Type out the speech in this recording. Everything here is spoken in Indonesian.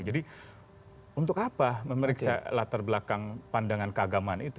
untuk apa memeriksa latar belakang pandangan keagamaan itu